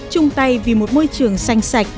trung tay vì một môi trường xanh sạch